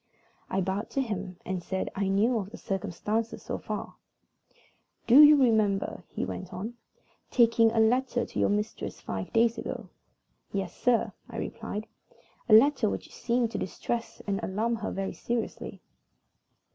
I bowed to him and said I knew of the circumstances so far. "Do you remember," he went on, "taking a letter to your mistress five days ago?" "Yes, sir," I replied; "a letter which seemed to distress and alarm her very seriously."